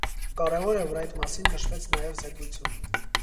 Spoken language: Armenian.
Կարևոր է, որ այդ մասին նշվեց նաև զեկույցում: